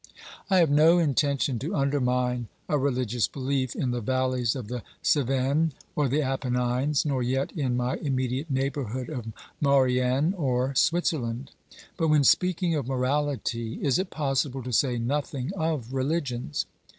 I have no intention to undermine a religious belief in the valleys of the Cevennes or the Apennines, nor yet in my immediate neighbourhood of Maurienne or Switzerland ; but when speaking of morality is it possible to say nothing of religions